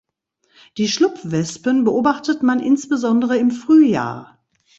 Die Schlupfwespen beobachtet man insbesondere im Frühjahr.